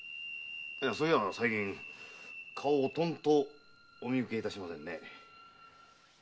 そういや最近顔をとんとお見受けいたしませんね。